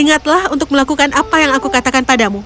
ingatlah untuk melakukan apa yang aku katakan padamu